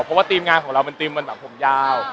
เพราะว่าทีมงานของเราเป็นทีมมันแบบผมยาว